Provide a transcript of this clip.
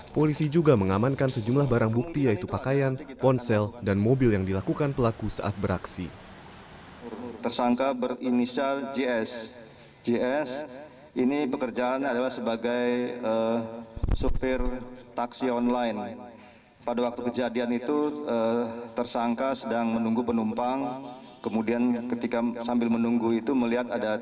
polisi juga mengamankan sejumlah barang bukti yaitu pakaian ponsel dan mobil yang dilakukan pelaku saat beraksi